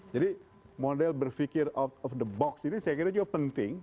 jadi model berpikir out of the box ini saya kira juga penting